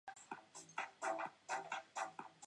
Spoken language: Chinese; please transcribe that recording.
华裔泰国人大部分仍庆祝华人传统节日。